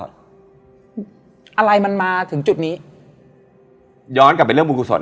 ถ่ายทางนอกด้วย